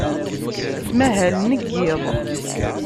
Ttmahalen deg yiḍ.